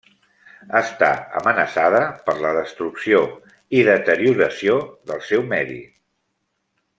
Està amenaçada per la destrucció i deterioració del seu medi.